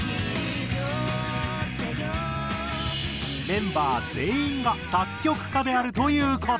メンバー全員が作曲家であるという事。